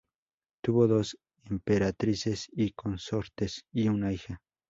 Tuvo dos Emperatrices y Consortes y una hija.